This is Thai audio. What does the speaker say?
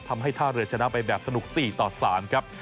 ท่าเรือชนะไปแบบสนุก๔ต่อ๓ครับ